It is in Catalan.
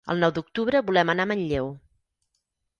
El nou d'octubre volem anar a Manlleu.